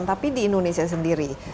tapi di indonesia sendiri